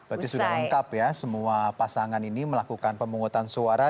berarti sudah lengkap ya semua pasangan ini melakukan pemungutan suara